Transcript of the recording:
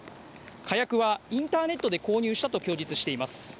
火薬はインターネットで購入したと供述しています。